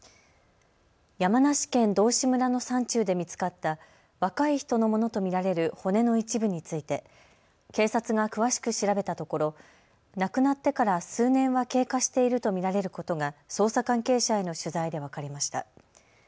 山梨県道志村の山中で見つかった若い人のものと見られる骨の一部について警察が詳しく調べたところ亡くなってから数年は経過していると見られることが捜査関係者への取材で分かりました。